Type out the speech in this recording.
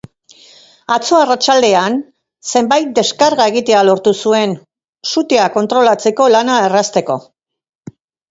Atzo arratsaldean, zenbait deskarga egitea lortu zuen, sutea kontrolatzeko lana errazteko.